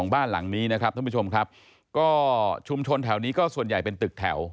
บ้านหลังนี้นะครับท่านผู้ชมครับก็ชุมชนแถวนี้ก็ส่วนใหญ่เป็นตึกแถว